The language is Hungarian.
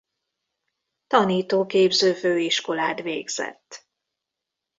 Tanítóképző Főiskolát végzett.